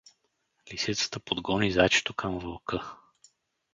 Лисицата подгони зайчето към вълка.